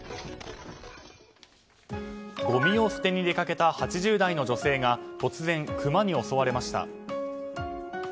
ごみを捨てに出かけた８０代の女性が突然、クマに襲われました。